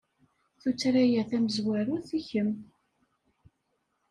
Tuttra-a tamezwarut i kemm.